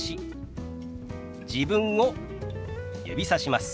自分を指さします。